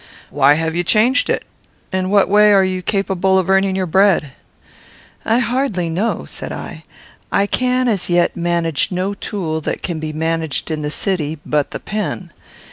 "Why have you changed it? In what way are you capable of earning your bread?" "I hardly know," said I. "I can, as yet, manage no tool, that can be managed in the city, but the pen.